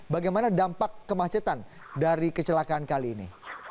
bagaimana dampak kemacetan dari kecelakaan kali ini